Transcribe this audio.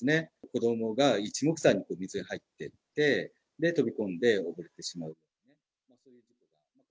子どもがいちもくさんに水に入っていって、飛び込んで溺れてしまう。